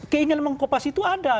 keinginan mengkopas itu ada